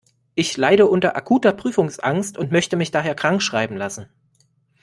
Ich leide unter akuter Prüfungsangst und möchte mich daher krankschreiben lassen.